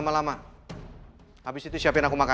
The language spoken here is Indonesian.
tapi akhirnya harus papa dan mama